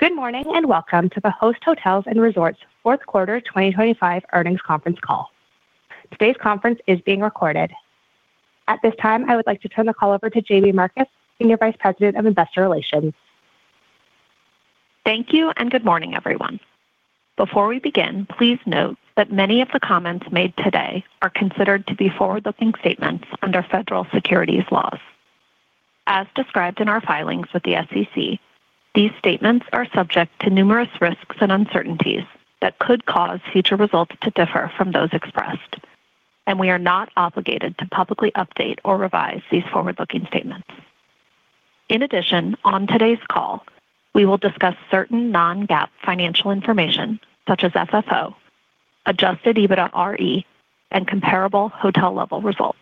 Good morning, and welcome to the Host Hotels & Resorts fourth quarter 2025 earnings conference call. Today's conference is being recorded. At this time, I would like to turn the call over to Jaime Marcus, Senior Vice President of Investor Relations. Thank you, and good morning, everyone. Before we begin, please note that many of the comments made today are considered to be forward-looking statements under federal securities laws. As described in our filings with the SEC, these statements are subject to numerous risks and uncertainties that could cause future results to differ from those expressed, and we are not obligated to publicly update or revise these forward-looking statements. In addition, on today's call, we will discuss certain non-GAAP financial information such as FFO, Adjusted EBITDAre, and comparable hotel-level results.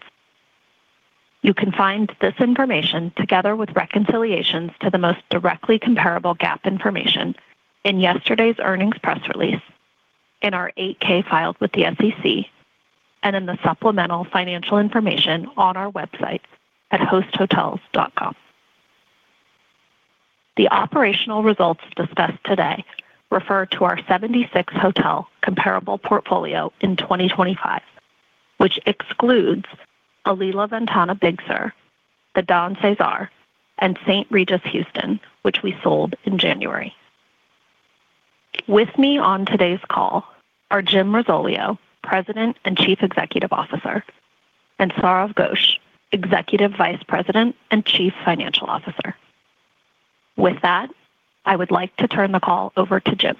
You can find this information, together with reconciliations to the most directly comparable GAAP information, in yesterday's earnings press release, in our 8-K filed with the SEC, and in the supplemental financial information on our website at hosthotels.com. The operational results discussed today refer to our 76-hotel comparable portfolio in 2025, which excludes Alila Ventana Big Sur, The Don CeSar, and The St. Regis Houston, which we sold in January. With me on today's call are Jim Risoleo, President and Chief Executive Officer, and Sourav Ghosh, Executive Vice President and Chief Financial Officer. With that, I would like to turn the call over to Jim.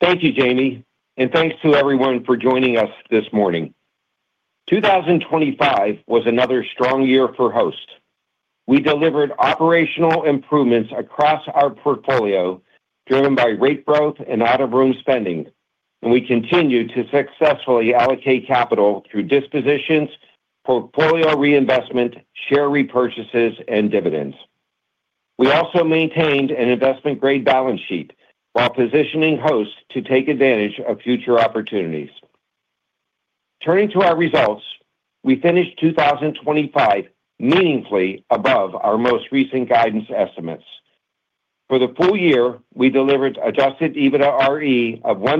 Thank you, Jaime, and thanks to everyone for joining us this morning. 2025 was another strong year for Host. We delivered operational improvements across our portfolio, driven by rate growth and out-of-room spending, and we continued to successfully allocate capital through dispositions, portfolio reinvestment, share repurchases, and dividends. We also maintained an investment-grade balance sheet while positioning Host to take advantage of future opportunities. Turning to our results, we finished 2025 meaningfully above our most recent guidance estimates. For the full year, we delivered Adjusted EBITDAre of $1.757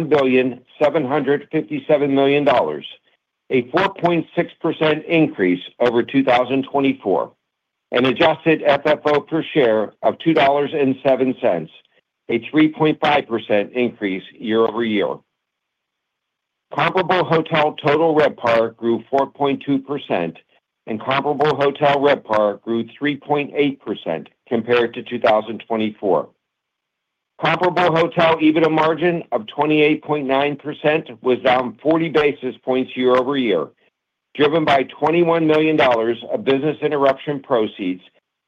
billion, a 4.6% increase over 2024, and Adjusted FFO per share of $2.07, a 3.5% increase year-over-year. Comparable hotel total RevPAR grew 4.2%, and comparable hotel RevPAR grew 3.8% compared to 2024. Comparable hotel EBITDA margin of 28.9% was down 40 basis points year-over-year, driven by $21 million of business interruption proceeds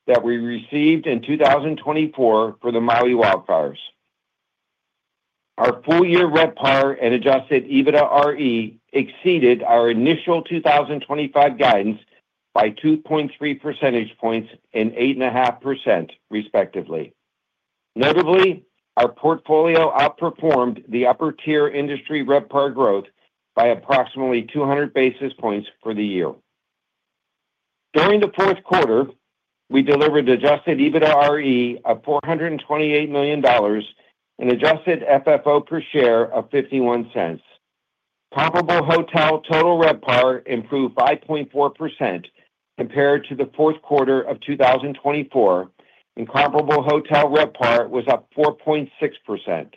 that we received in 2024 for the Maui wildfires. Our full-year RevPAR and Adjusted EBITDAre exceeded our initial 2025 guidance by 2.3 percentage points and 8.5%, respectively. Notably, our portfolio outperformed the upper-tier industry RevPAR growth by approximately 200 basis points for the year. During the fourth quarter, we delivered Adjusted EBITDAre of $428 million and Adjusted FFO per share of $0.51. Comparable hotel total RevPAR improved 5.4% compared to the fourth quarter of 2024, and comparable hotel RevPAR was up 4.6%,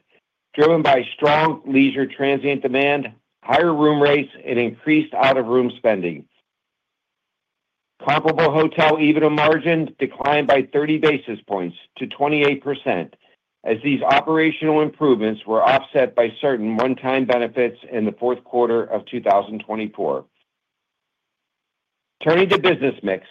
driven by strong leisure transient demand, higher room rates, and increased out-of-room spending. Comparable hotel EBITDA margin declined by 30 basis points to 28%, as these operational improvements were offset by certain one-time benefits in the fourth quarter of 2024. Turning to business mix,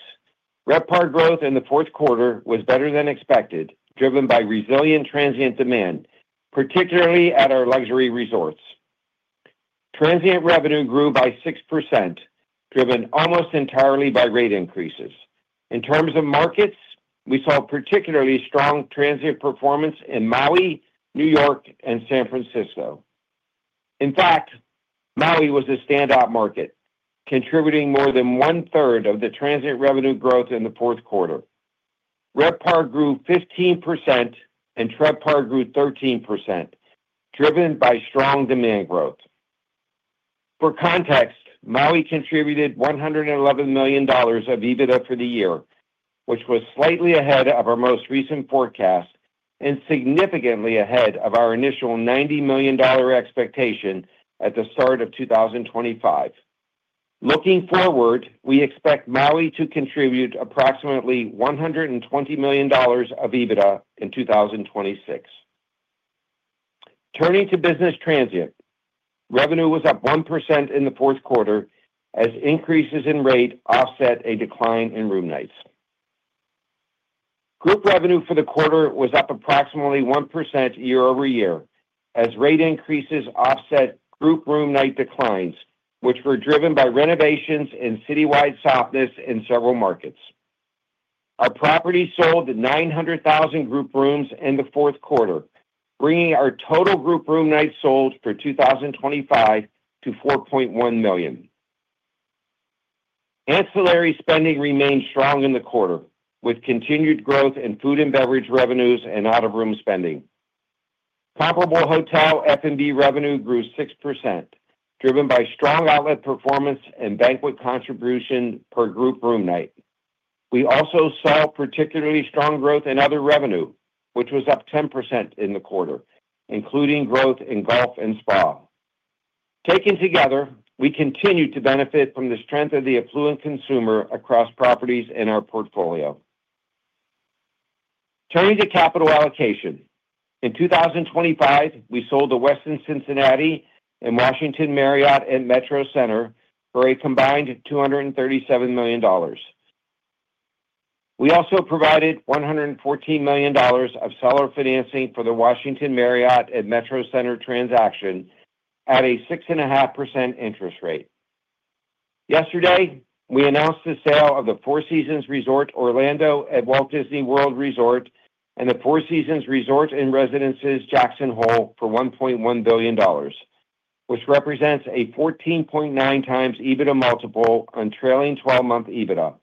RevPAR growth in the fourth quarter was better than expected, driven by resilient transient demand, particularly at our luxury resorts. Transient revenue grew by 6%, driven almost entirely by rate increases. In terms of markets, we saw particularly strong transient performance in Maui, New York, and San Francisco. In fact, Maui was a standout market, contributing more than 1/3 of the transient revenue growth in the fourth quarter. RevPAR grew 15%, and TRevPAR grew 13%, driven by strong demand growth. For context, Maui contributed $111 million of EBITDA for the year, which was slightly ahead of our most recent forecast and significantly ahead of our initial $90 million expectation at the start of 2025. Looking forward, we expect Maui to contribute approximately $120 million of EBITDA in 2026. Turning to business transient, revenue was up 1% in the fourth quarter as increases in rate offset a decline in room nights. Group revenue for the quarter was up approximately 1% year-over-year, as rate increases offset group room night declines, which were driven by renovations and citywide softness in several markets. Our properties sold 900,000 group rooms in the fourth quarter, bringing our total group room nights sold for 2025 to 4.1 million. Ancillary spending remained strong in the quarter, with continued growth in food and beverage revenues and out-of-room spending. Comparable hotel F&B revenue grew 6%, driven by strong outlet performance and banquet contribution per group room night. We also saw particularly strong growth in other revenue, which was up 10% in the quarter, including growth in golf and spa. Taken together, we continue to benefit from the strength of the affluent consumer across properties in our portfolio. Turning to capital allocation. In 2025, we sold The Westin Cincinnati and Washington Marriott at Metro Center for a combined $237 million. We also provided $114 million of seller financing for the Washington Marriott at Metro Center transaction at a 6.5% interest rate. Yesterday, we announced the sale of the Four Seasons Resort Orlando at Walt Disney World Resort and the Four Seasons Resort and Residences Jackson Hole for $1.1 billion, which represents a 14.9x EBITDA multiple on trailing 12-month EBITDA.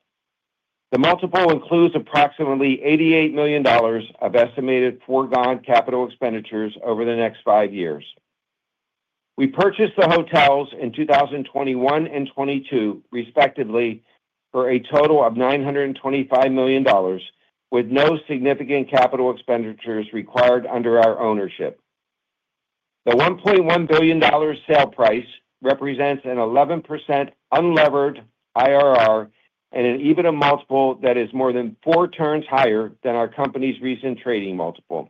The multiple includes approximately $88 million of estimated foregone capital expenditures over the next five years. We purchased the hotels in 2021 and 2022, respectively, for a total of $925 million, with no significant capital expenditures required under our ownership. The $1.1 billion sale price represents an 11% unlevered IRR and an EBITDA multiple that is more than 4x higher than our company's recent trading multiple.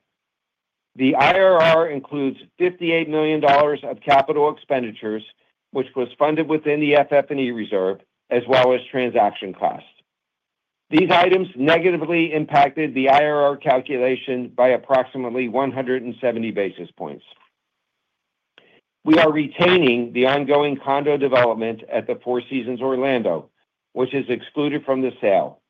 The IRR includes $58 million of capital expenditures, which was funded within the FF&E reserve, as well as transaction costs. These items negatively impacted the IRR calculation by approximately 170 basis points. We are retaining the ongoing condo development at the Four Seasons Orlando, which is excluded from the sale.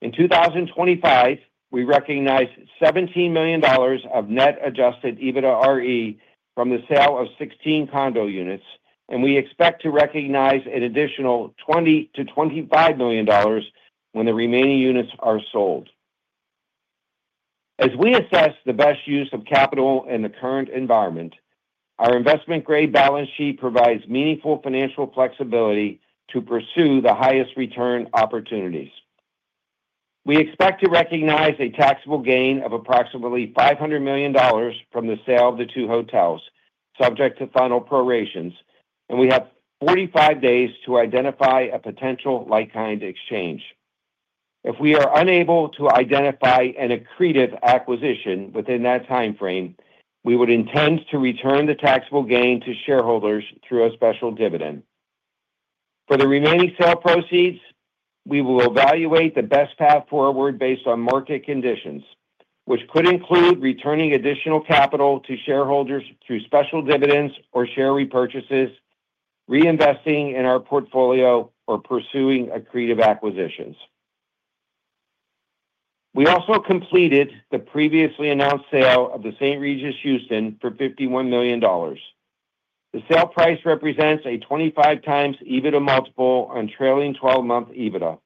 In 2025, we recognized $17 million of net Adjusted EBITDAre from the sale of 16 condo units, and we expect to recognize an additional $20 million-$25 million when the remaining units are sold. As we assess the best use of capital in the current environment, our Investment-Grade Balance Sheet provides meaningful financial flexibility to pursue the highest return opportunities. We expect to recognize a taxable gain of approximately $500 million from the sale of the two hotels, subject to final prorations, and we have 45 days to identify a potential like-kind exchange. If we are unable to identify an accretive acquisition within that time frame, we would intend to return the taxable gain to shareholders through a special dividend. For the remaining sale proceeds, we will evaluate the best path forward based on market conditions, which could include returning additional capital to shareholders through special dividends or share repurchases, reinvesting in our portfolio, or pursuing accretive acquisitions. We also completed the previously announced sale of the St. Regis Houston for $51 million. The sale price represents a 25x EBITDA multiple on trailing 12-month EBITDA.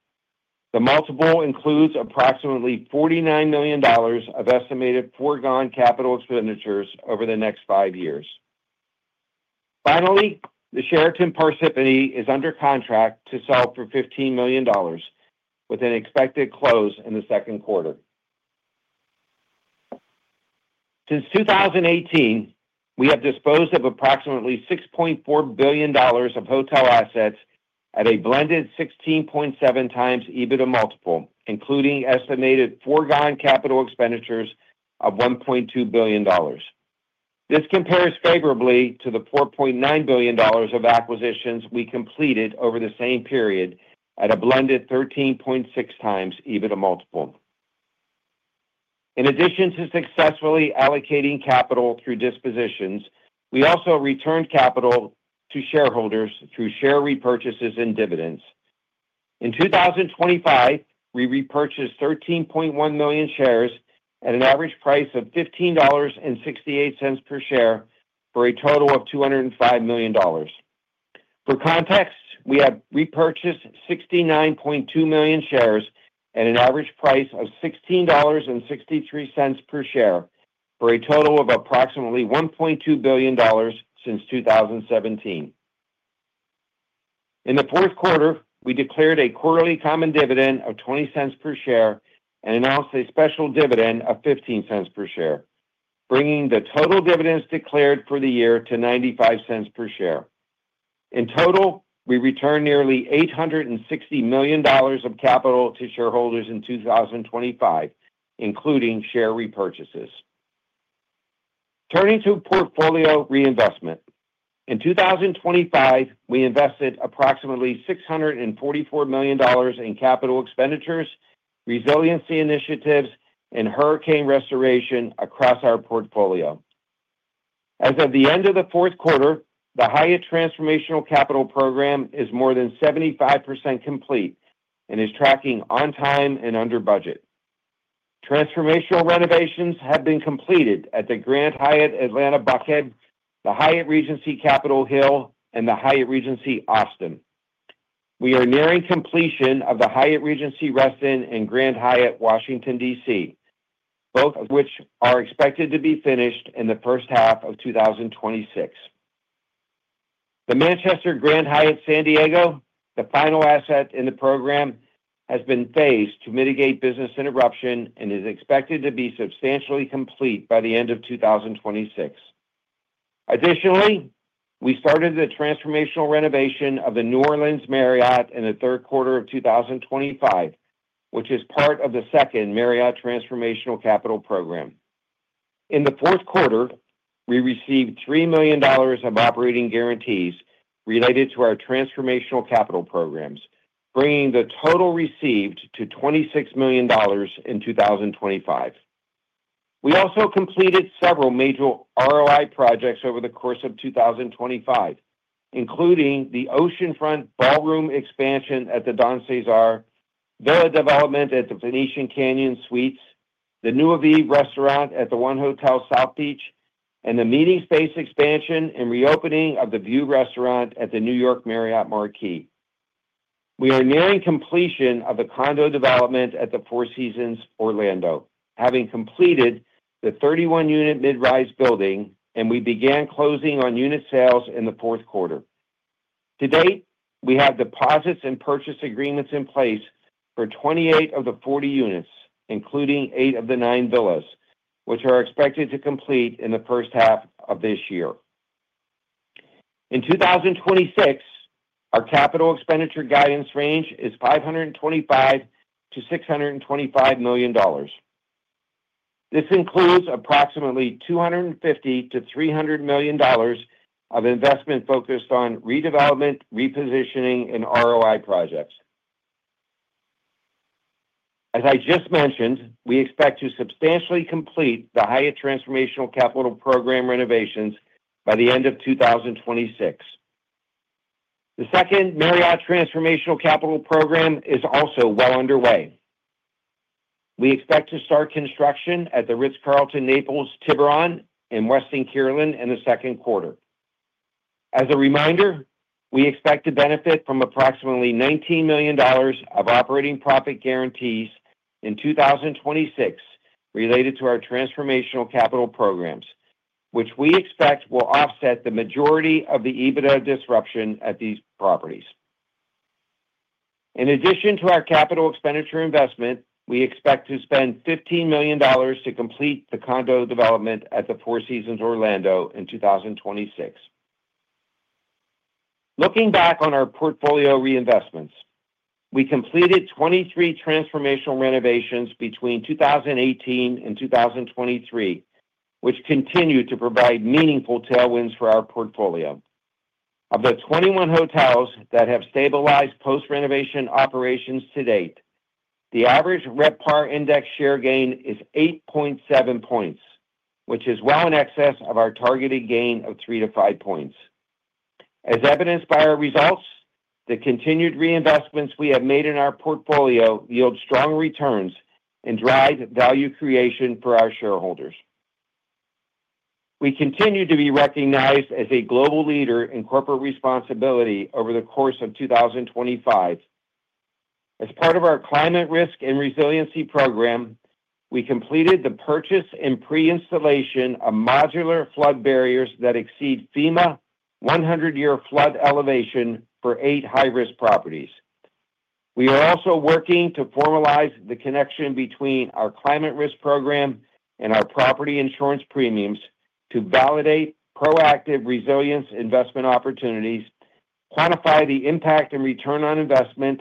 The multiple includes approximately $49 million of estimated foregone capital expenditures over the next five years. Finally, the Sheraton Parsippany is under contract to sell for $15 million, with an expected close in the second quarter. Since 2018, we have disposed of approximately $6.4 billion of hotel assets at a blended 16.7x EBITDA multiple, including estimated foregone capital expenditures of $1.2 billion. This compares favorably to the $4.9 billion of acquisitions we completed over the same period at a blended 13.6x EBITDA multiple. In addition to successfully allocating capital through dispositions, we also returned capital to shareholders through share repurchases and dividends. In 2025, we repurchased 13.1 million shares at an average price of $15.68 per share, for a total of $205 million. For context, we have repurchased 69.2 million shares at an average price of $16.63 per share, for a total of approximately $1.2 billion since 2017. In the fourth quarter, we declared a quarterly common dividend of $0.20 per share and announced a special dividend of $0.15 per share, bringing the total dividends declared for the year to $0.95 per share. In total, we returned nearly $860 million of capital to shareholders in 2025, including share repurchases. Turning to portfolio reinvestment. In 2025, we invested approximately $644 million in capital expenditures, resiliency initiatives, and hurricane restoration across our portfolio. As of the end of the fourth quarter, the Hyatt Transformational Capital Program is more than 75% complete and is tracking on time and under budget. Transformational renovations have been completed at the Grand Hyatt Atlanta in Buckhead, the Hyatt Regency Washington on Capitol Hill, and the Hyatt Regency Austin. We are nearing completion of the Hyatt Regency Reston and Grand Hyatt Washington, D.C., both of which are expected to be finished in the first half of 2026. The Manchester Grand Hyatt San Diego, the final asset in the program, has been phased to mitigate business interruption and is expected to be substantially complete by the end of 2026. Additionally, we started the transformational renovation of the New Orleans Marriott in the third quarter of 2025, which is part of the second Marriott Transformational Capital Program. In the fourth quarter, we received $3 million of operating guarantees related to our transformational capital programs, bringing the total received to $26 million in 2025. We also completed several major ROI projects over the course of 2025, including the oceanfront ballroom expansion at The Don CeSar, villa development at The Phoenician Canyon Suites, the new Aviv restaurant at the 1 Hotel South Beach, and the meeting space expansion and reopening of the View Restaurant at the New York Marriott Marquis. We are nearing completion of the condo development at the Four Seasons Orlando, having completed the 31-unit midrise building, and we began closing on unit sales in the fourth quarter. To date, we have deposits and purchase agreements in place for 28 of the 40 units, including eight of the nine villas, which are expected to complete in the first half of this year. In 2026, our capital expenditure guidance range is $525 million-$625 million. This includes approximately $250 million-$300 million of investment focused on redevelopment, repositioning, and ROI projects. As I just mentioned, we expect to substantially complete the Hyatt Transformational Capital Program renovations by the end of 2026. The second Marriott Transformational Capital Program is also well underway. We expect to start construction at the Ritz-Carlton Naples, Tiburón and Westin Casuarina, in the second quarter. As a reminder, we expect to benefit from approximately $19 million of operating profit guarantees in 2026 related to our transformational capital programs, which we expect will offset the majority of the EBITDA disruption at these properties. In addition to our capital expenditure investment, we expect to spend $15 million to complete the condo development at the Four Seasons Orlando in 2026. Looking back on our portfolio reinvestments, we completed 23 transformational renovations between 2018 and 2023, which continue to provide meaningful tailwinds for our portfolio. Of the 21 hotels that have stabilized post-renovation operations to date, the average RevPAR index share gain is 8.7 points, which is well in excess of our targeted gain of 3-5 points. As evidenced by our results, the continued reinvestments we have made in our portfolio yield strong returns and drive value creation for our shareholders. We continue to be recognized as a global leader in corporate responsibility over the course of 2025. As part of our climate risk and resiliency program, we completed the purchase and pre-installation of modular flood barriers that exceed FEMA 100-year flood elevation for eight high-risk properties. We are also working to formalize the connection between our climate risk program and our property insurance premiums to validate proactive resilience investment opportunities, quantify the impact and return on investment,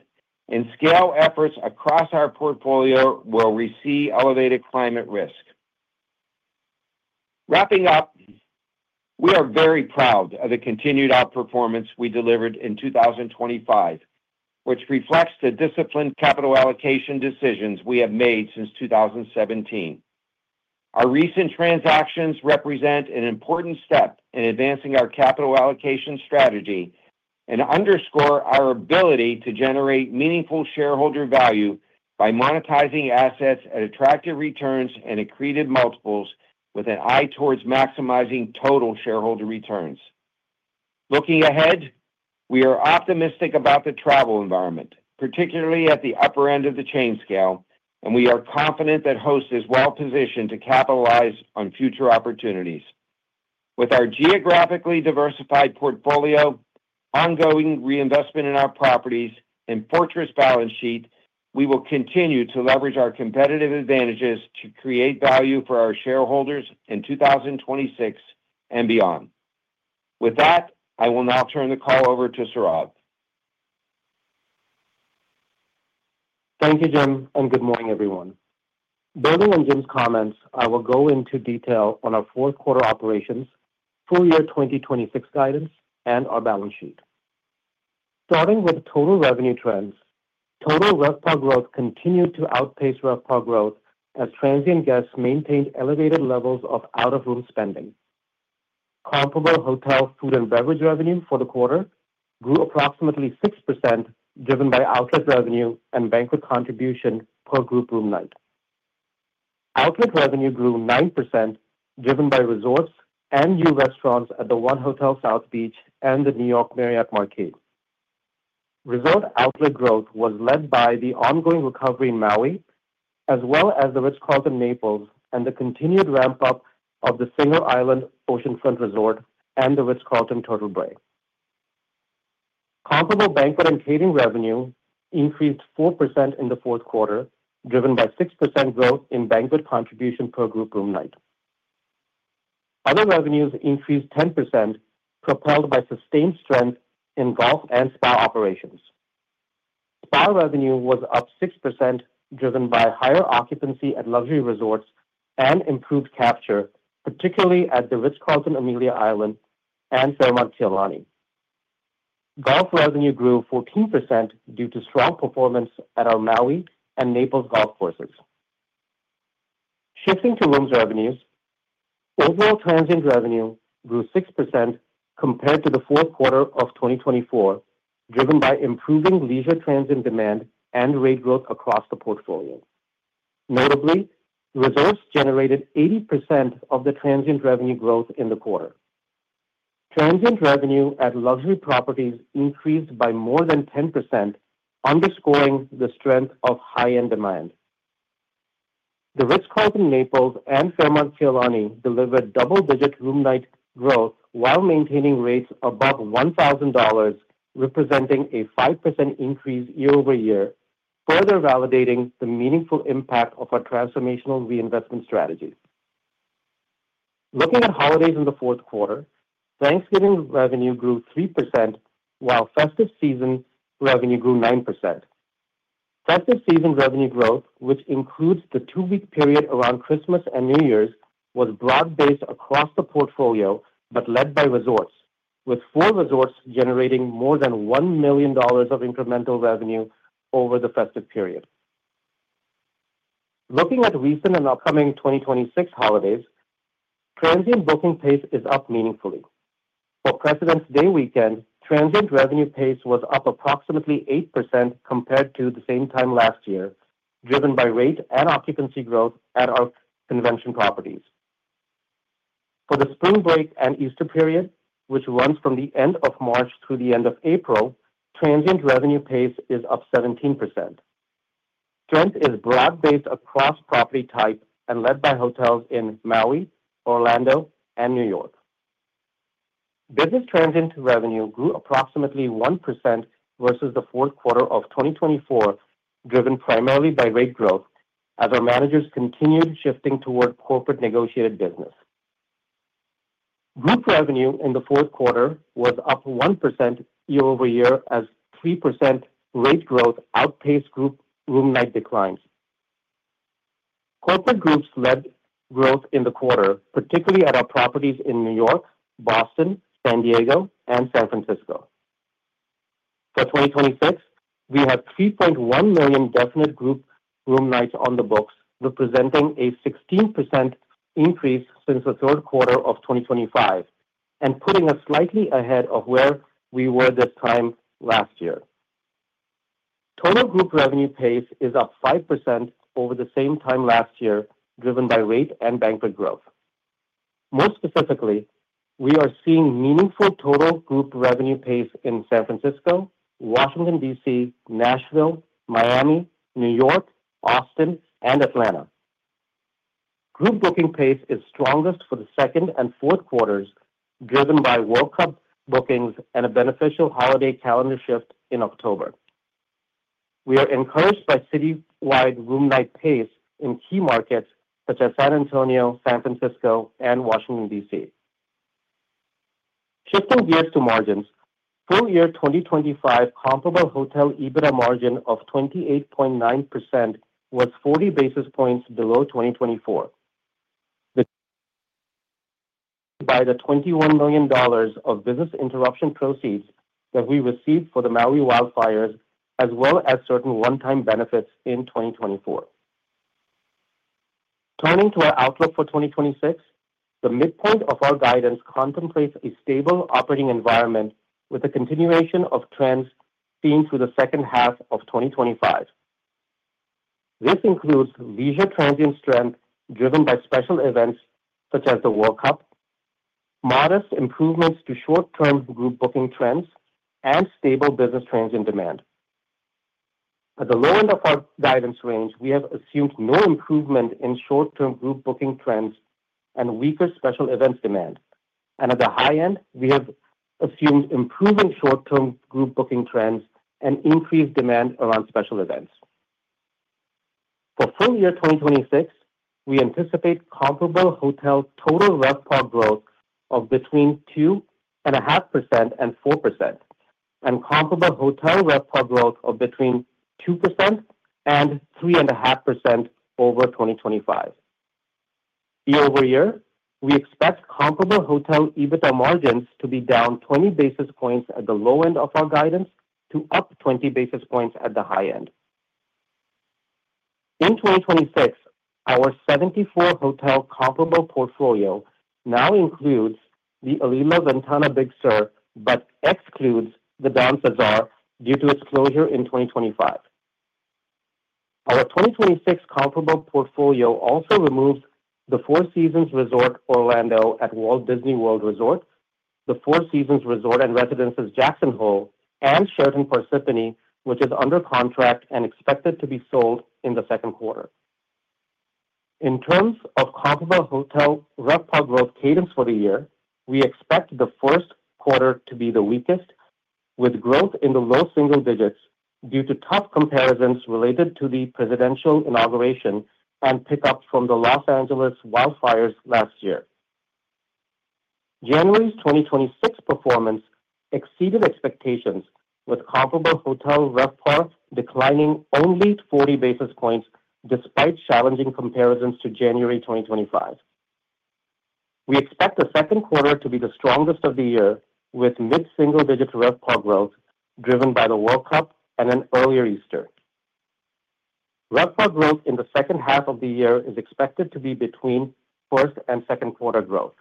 and scale efforts across our portfolio where we see elevated climate risk. Wrapping up, we are very proud of the continued outperformance we delivered in 2025, which reflects the disciplined capital allocation decisions we have made since 2017. Our recent transactions represent an important step in advancing our capital allocation strategy and underscore our ability to generate meaningful shareholder value by monetizing assets at attractive returns and accretive multiples with an eye towards maximizing total shareholder returns. Looking ahead, we are optimistic about the travel environment, particularly at the upper end of the chain scale, and we are confident that Host is well positioned to capitalize on future opportunities. With our geographically diversified portfolio, ongoing reinvestment in our properties, and fortress balance sheet, we will continue to leverage our competitive advantages to create value for our shareholders in 2026 and beyond. With that, I will now turn the call over to Sourav. Thank you, Jim, and good morning, everyone. Building on Jim's comments, I will go into detail on our fourth quarter operations, full year 2026 guidance, and our balance sheet. Starting with total revenue trends, total RevPAR growth continued to outpace RevPAR growth as transient guests maintained elevated levels of out-of-room spending. Comparable hotel food and beverage revenue for the quarter grew approximately 6%, driven by outlet revenue and banquet contribution per group room night. Outlet revenue grew 9%, driven by resorts and new restaurants at the 1 Hotel South Beach and the New York Marriott Marquis. Resort outlet growth was led by the ongoing recovery in Maui, as well as The Ritz-Carlton, Naples, and the continued ramp-up of The Singer Oceanfront Resort and The Ritz-Carlton O'ahu, Turtle Bay. Comparable banquet and catering revenue increased 4% in the fourth quarter, driven by 6% growth in banquet contribution per group room night. Other revenues increased 10%, propelled by sustained strength in golf and spa operations. Spa revenue was up 6%, driven by higher occupancy at luxury resorts and improved capture, particularly at The Ritz-Carlton, Amelia Island, and Fairmont Kea Lani. Golf revenue grew 14% due to strong performance at our Maui and Naples golf courses. Shifting to rooms revenues, overall transient revenue grew 6% compared to the fourth quarter of 2024, driven by improving leisure transient demand and rate growth across the portfolio. Notably, resorts generated 80% of the transient revenue growth in the quarter. Transient revenue at luxury properties increased by more than 10%, underscoring the strength of high-end demand. The Ritz-Carlton, Naples, and Fairmont Kea Lani delivered double-digit room night growth while maintaining rates above $1,000, representing a 5% increase year-over-year, further validating the meaningful impact of our transformational reinvestment strategies. Looking at holidays in the fourth quarter, Thanksgiving revenue grew 3%, while festive season revenue grew 9%. Festive season revenue growth, which includes the two-week period around Christmas and New Year's, was broad-based across the portfolio, but led by resorts, with four resorts generating more than $1 million of incremental revenue over the festive period. Looking at recent and upcoming 2026 holidays, transient booking pace is up meaningfully. For Presidents' Day weekend, transient revenue pace was up approximately 8% compared to the same time last year, driven by rate and occupancy growth at our convention properties. For the spring break and Easter period, which runs from the end of March through the end of April, transient revenue pace is up 17%. Strength is broad-based across property type and led by hotels in Maui, Orlando, and New York. Business transient revenue grew approximately 1% versus the fourth quarter of 2024, driven primarily by rate growth as our managers continued shifting toward corporate negotiated business. Group revenue in the fourth quarter was up 1% year-over-year, as 3% rate growth outpaced group room night declines. Corporate groups led growth in the quarter, particularly at our properties in New York, Boston, San Diego, and San Francisco. For 2026, we have 3.1 million definite group room nights on the books, representing a 16% increase since the third quarter of 2025, and putting us slightly ahead of where we were this time last year. Total group revenue pace is up 5% over the same time last year, driven by rate and banquet growth. More specifically, we are seeing meaningful total group revenue pace in San Francisco, Washington, D.C., Nashville, Miami, New York, Austin, and Atlanta. Group booking pace is strongest for the second and fourth quarters, driven by World Cup bookings and a beneficial holiday calendar shift in October. We are encouraged by citywide room night pace in key markets such as San Antonio, San Francisco, and Washington, D.C. Shifting gears to margins, full year 2025 comparable hotel EBITDA margin of 28.9% was 40 basis points below 2024. By the $21 million of business interruption proceeds that we received for the Maui wildfires, as well as certain one-time benefits in 2024. Turning to our outlook for 2026, the midpoint of our guidance contemplates a stable operating environment with a continuation of trends seen through the second half of 2025. This includes leisure transient strength driven by special events such as the World Cup, modest improvements to short-term group booking trends, and stable business transient demand. At the low end of our guidance range, we have assumed no improvement in short-term group booking trends and weaker special events demand. And at the high end, we have assumed improving short-term group booking trends and increased demand around special events. For full year 2026, we anticipate comparable hotel total RevPAR growth of between 2.5% and 4%, and comparable hotel RevPAR growth of between 2% and 3.5% over 2025. Year-over-year, we expect comparable hotel EBITDA margins to be down 20 basis points at the low end of our guidance to up 20 basis points at the high end. In 2026, our 74-hotel comparable portfolio now includes the Alila Ventana Big Sur, but excludes The Don CeSar due to its closure in 2025. Our 2026 comparable portfolio also removes the Four Seasons Resort Orlando at Walt Disney World Resort, the Four Seasons Resort and Residences Jackson Hole, and Sheraton Parsippany, which is under contract and expected to be sold in the second quarter. In terms of comparable hotel RevPAR growth cadence for the year, we expect the first quarter to be the weakest, with growth in the low single digits due to tough comparisons related to the presidential inauguration and pick up from the Los Angeles wildfires last year. January's 2026 performance exceeded expectations, with comparable hotel RevPAR declining only 40 basis points, despite challenging comparisons to January 2025. We expect the second quarter to be the strongest of the year, with mid-single-digit RevPAR growth, driven by the World Cup and an earlier Easter. RevPAR growth in the second half of the year is expected to be between first and second quarter growth.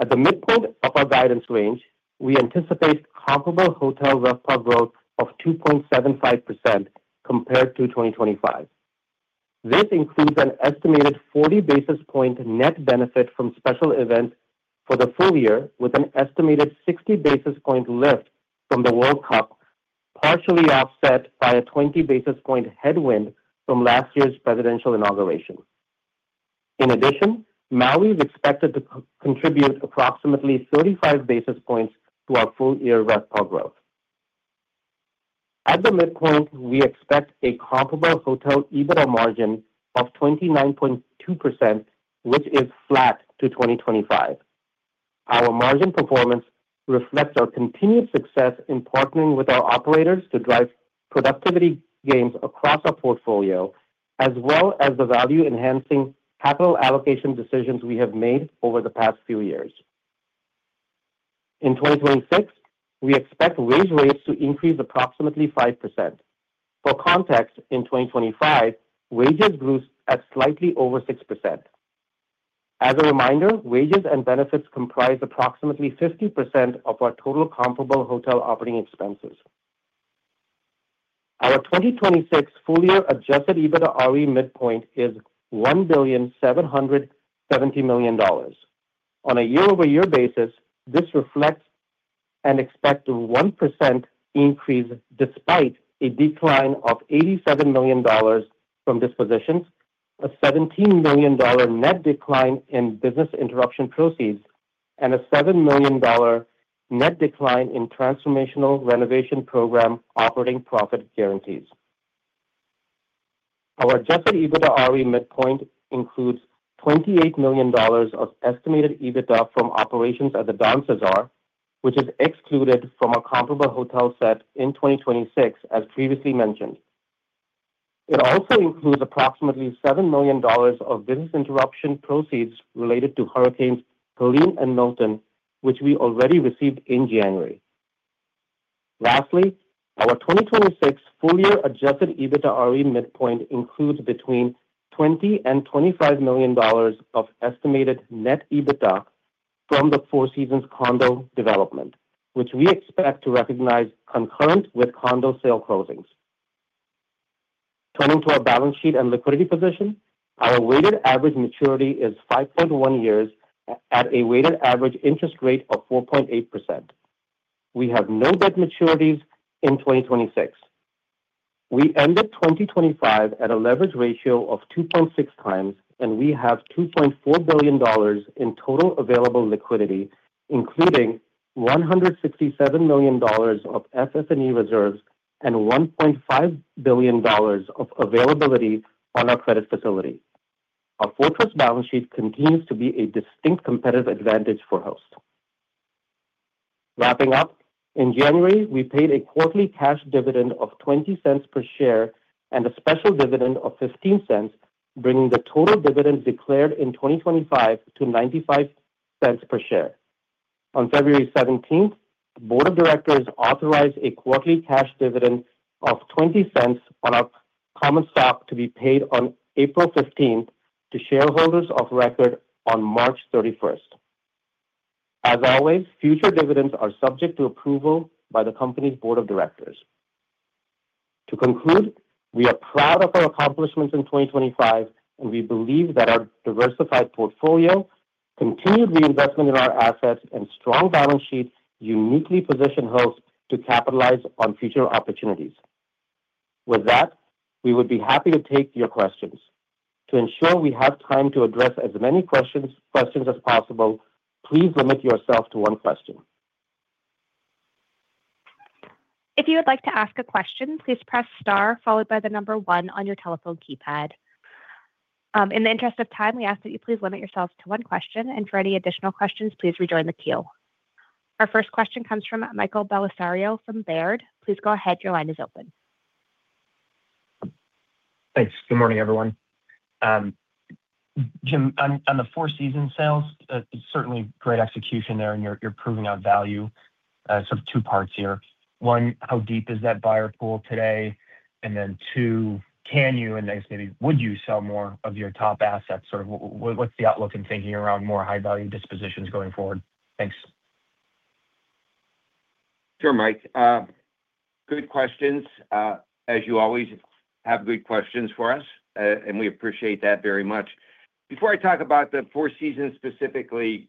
At the midpoint of our guidance range, we anticipate comparable hotel RevPAR growth of 2.75% compared to 2025. This includes an estimated 40 basis point net benefit from special events for the full year, with an estimated 60 basis point lift from the World Cup, partially offset by a 20 basis point headwind from last year's presidential inauguration. In addition, Maui is expected to co-contribute approximately 35 basis points to our full-year RevPAR growth. At the midpoint, we expect a comparable hotel EBITDA margin of 29.2%, which is flat to 2025. Our margin performance reflects our continued success in partnering with our operators to drive productivity gains across our portfolio, as well as the value-enhancing capital allocation decisions we have made over the past few years. In 2026, we expect wage rates to increase approximately 5%. For context, in 2025, wages grew at slightly over 6%. As a reminder, wages and benefits comprise approximately 50% of our total comparable hotel operating expenses. Our 2026 full-year Adjusted EBITDAre midpoint is $1.77 billion. On a year-over-year basis, this reflects an expected 1% increase despite a decline of $87 million from dispositions, a $17 million net decline in business interruption proceeds, and a $7 million net decline in transformational renovation program operating profit guarantees. Our Adjusted EBITDAre midpoint includes $28 million of estimated EBITDA from operations at the Don CeSar, which is excluded from our comparable hotel set in 2026, as previously mentioned. It also includes approximately $7 million of business interruption proceeds related to hurricanes Helene and Milton, which we already received in January. Lastly, our 2026 full-year Adjusted EBITDAre midpoint includes between $20 million and $25 million of estimated net EBITDA from the Four Seasons condo development, which we expect to recognize concurrent with condo sale closings. Turning to our balance sheet and liquidity position, our weighted average maturity is 5.1 years at a weighted average interest rate of 4.8%. We have no debt maturities in 2026. We ended 2025 at a leverage ratio of 2.6 times, and we have $2.4 billion in total available liquidity, including $167 million of FF&E reserves and $1.5 billion of availability on our credit facility. Our fortress balance sheet continues to be a distinct competitive advantage for Host. Wrapping up, in January, we paid a quarterly cash dividend of $0.20 per share and a special dividend of $0.15, bringing the total dividends declared in 2025 to $0.95 per share. On February 17th, the board of directors authorized a quarterly cash dividend of $0.20 on our common stock to be paid on April 15th to shareholders of record on March 31st. As always, future dividends are subject to approval by the company's board of directors. To conclude, we are proud of our accomplishments in 2025, and we believe that our diversified portfolio, continued reinvestment in our assets, and strong balance sheet uniquely position Host to capitalize on future opportunities. With that, we would be happy to take your questions. To ensure we have time to address as many questions as possible, please limit yourself to one question. If you would like to ask a question, please press star followed by the number one on your telephone keypad. In the interest of time, we ask that you please limit yourselves to one question, and for any additional questions, please rejoin the queue. Our first question comes from Michael Bellisario from Baird. Please go ahead. Your line is open. Thanks. Good morning, everyone. Jim, on the Four Seasons sales, certainly great execution there, and you're proving out value. So two parts here. One, how deep is that buyer pool today? And then two, can you, and then maybe would you sell more of your top assets? Or what's the outlook and thinking around more high-value dispositions going forward? Thanks. Sure, Michael. Good questions, as you always have good questions for us, and we appreciate that very much. Before I talk about the Four Seasons specifically,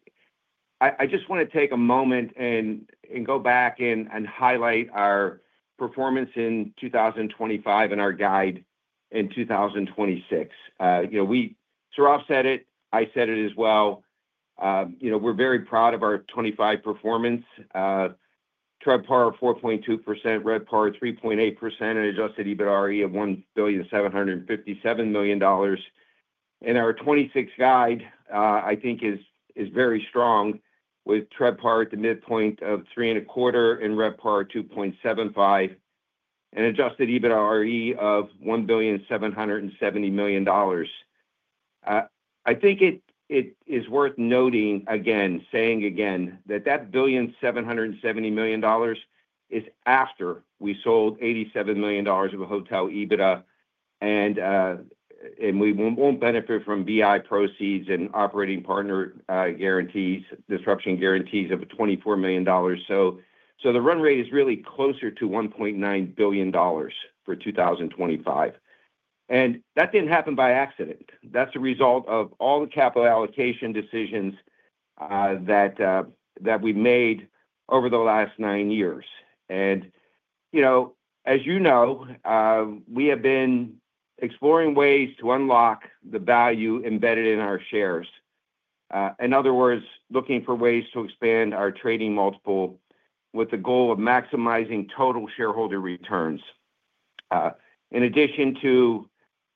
I just wanna take a moment and go back and highlight our performance in 2025 and our guide in 2026. You know, we Sourav said it, I said it as well, you know, we're very proud of our 2025 performance. TRevPAR 4.2%, RevPAR 3.8%, and Adjusted EBITDAre of $1,757 million. Our 26 guide, I think is very strong with TRevPAR at the midpoint of 3.25 and RevPAR 2.75, and Adjusted EBITDAre of $1,770 million. I think it is worth noting again, saying again, that $1.77 billion is after we sold $87 million of a hotel EBITDA, and we won't benefit from BI proceeds and operating partner guarantees, disruption guarantees of $24 million. So the run rate is really closer to $1.9 billion for 2025. And that didn't happen by accident. That's a result of all the capital allocation decisions that we made over the last nine years. And, you know, as you know, we have been exploring ways to unlock the value embedded in our shares. In other words, looking for ways to expand our trading multiple, with the goal of maximizing total shareholder returns. In addition to,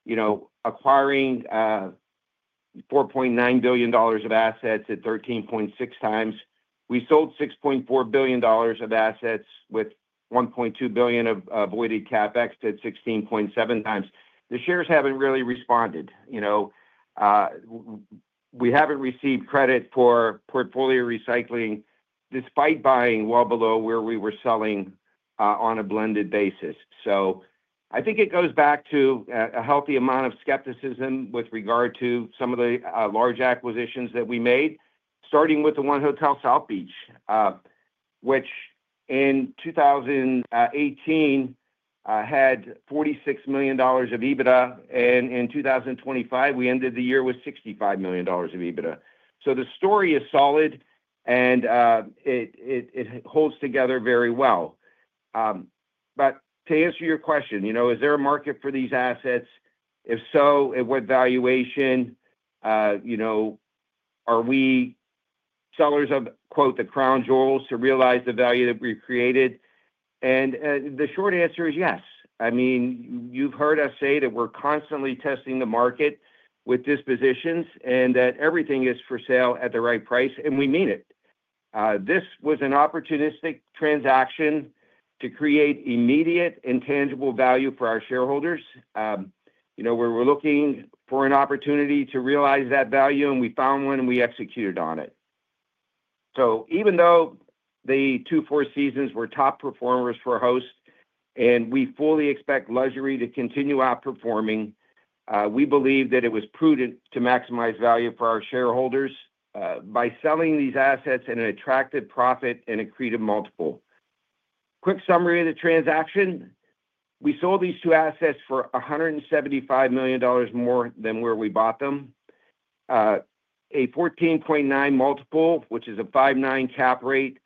you know, acquiring $4.9 billion of assets at 13.6x, we sold $6.4 billion of assets with $1.2 billion of avoided CapEx at 16.7x. The shares haven't really responded. You know, we haven't received credit for portfolio recycling, despite buying well below where we were selling, on a blended basis. So I think it goes back to a healthy amount of skepticism with regard to some of the large acquisitions that we made, starting with the 1 Hotel South Beach, which in 2018 had $46 million of EBITDA, and in 2025, we ended the year with $65 million of EBITDA. So the story is solid, and it holds together very well. But to answer your question, you know, is there a market for these assets? If so, at what valuation? You know, are we sellers of, quote, "the crown jewels" to realize the value that we've created? And the short answer is yes. I mean, you've heard us say that we're constantly testing the market with dispositions and that everything is for sale at the right price, and we mean it. This was an opportunistic transaction to create immediate and tangible value for our shareholders. You know, we were looking for an opportunity to realize that value, and we found one, and we executed on it. So even though the two Four Seasons were top performers for Host, and we fully expect luxury to continue outperforming, we believe that it was prudent to maximize value for our shareholders, by selling these assets at an attractive profit and accretive multiple. Quick summary of the transaction. We sold these two assets for $175 million more than where we bought them. A 14.9 multiple, which is a 5.9 cap rate,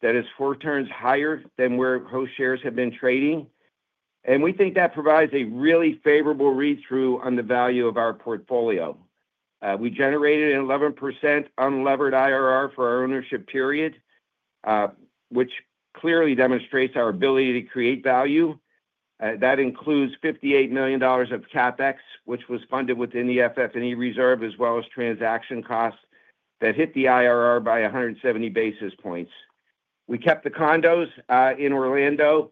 that is 4 turns higher than where Host shares have been trading, and we think that provides a really favorable read-through on the value of our portfolio. We generated an 11% unlevered IRR for our ownership period, which clearly demonstrates our ability to create value. That includes $58 million of CapEx, which was funded within the FF&E reserve, as well as transaction costs that hit the IRR by 170 basis points. We kept the condos in Orlando,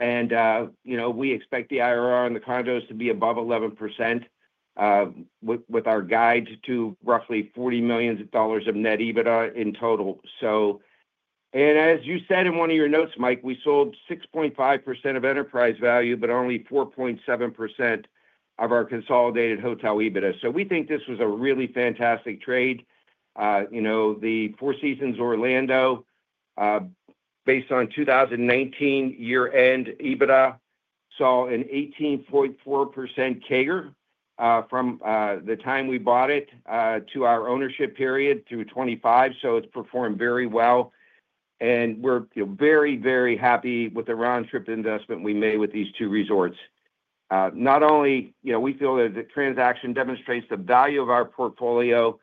and you know, we expect the IRR on the condos to be above 11%, with our guide to roughly $40 million of net EBITDA in total. So, as you said in one of your notes, Michael, we sold 6.5% of enterprise value, but only 4.7% of our consolidated hotel EBITDA. So we think this was a really fantastic trade. You know, the Four Seasons Orlando, based on 2019 year-end EBITDA, saw an 18.4% CAGR, from the time we bought it, to our ownership period through 2025, so it's performed very well. We're, you know, very, very happy with the round-trip investment we made with these two resorts. Not only, you know, we feel that the transaction demonstrates the value of our portfolio,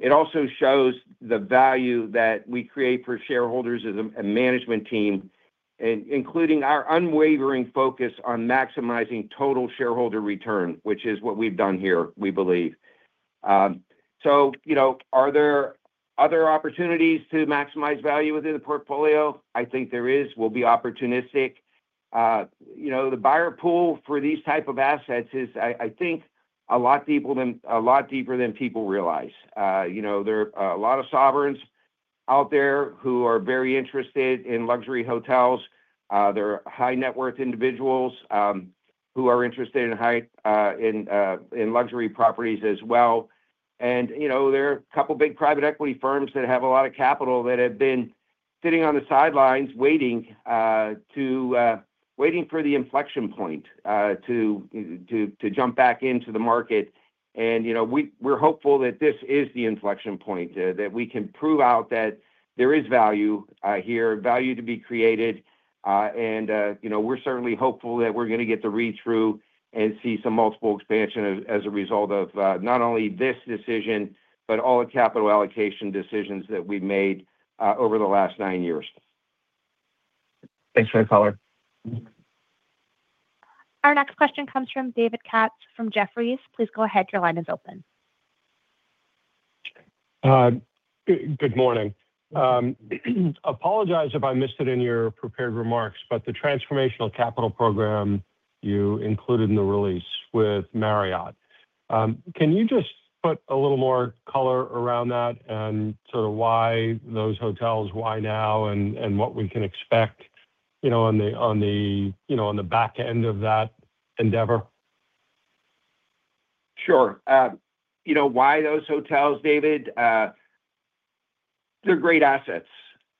it also shows the value that we create for shareholders as a management team, including our unwavering focus on maximizing total shareholder return, which is what we've done here, we believe. So, you know, are there other opportunities to maximize value within the portfolio? I think there is. We'll be opportunistic. You know, the buyer pool for these type of assets is, I think a lot deeper than people realize. You know, there are a lot of sovereigns out there who are very interested in luxury hotels. There are high net worth individuals who are interested in luxury properties as well. And, you know, there are a couple of big private equity firms that have a lot of capital that have been sitting on the sidelines waiting for the inflection point to jump back into the market. And, you know, we're hopeful that this is the inflection point that we can prove out that there is value here, value to be created. And, you know, we're certainly hopeful that we're going to get the read-through and see some multiple expansion as a result of not only this decision, but all the capital allocation decisions that we've made over the last nine years. Thanks for the color. Our next question comes from David Katz, from Jefferies. Please go ahead, your line is open. Good morning. Apologize if I missed it in your prepared remarks, but the Transformational Capital Program you included in the release with Marriott. Can you just put a little more color around that and sort of why those hotels, why now, and what we can expect, you know, on the back end of that endeavor? Sure. You know why those hotels, David? They're great assets,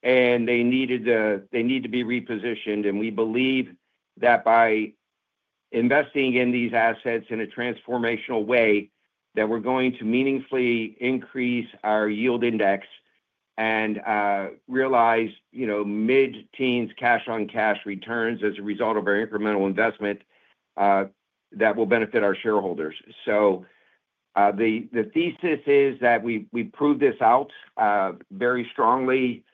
and they needed to—they need to be repositioned, and we believe that by investing in these assets in a transformational way, that we're going to meaningfully increase our Yield Index and realize, you know, mid-teens cash on cash returns as a result of our incremental investment that will benefit our shareholders. So, the thesis is that we proved this out very strongly